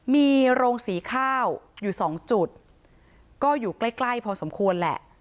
มีโรงสีข้าวอยู่สองจุดก็อยู่ใกล้ใกล้พอสมควรแหละ